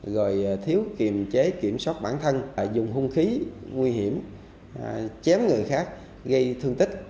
rồi thiếu kiềm chế kiểm soát bản thân dùng hung khí nguy hiểm chém người khác gây thương tích